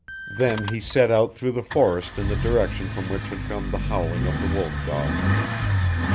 Then he set out through the forest in the direction from which had come the howling of the wolf dog.